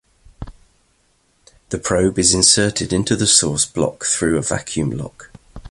The probe is inserted into the source block through a vacuum lock.